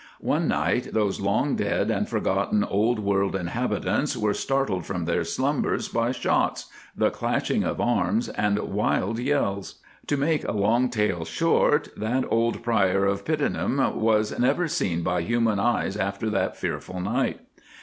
"One night those long dead and forgotten old world inhabitants were startled from their slumbers by shots, the clashing of arms, and wild yells. To make a long tale short, that old Prior of Pittenweem was never seen by human eyes after that fearful night.